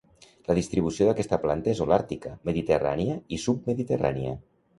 La distribució d'aquesta planta és holàrtica, mediterrània i submediterrània.